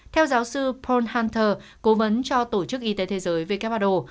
theo giáo sư paul hunter cố vấn cho tổ chức y tế thế giới who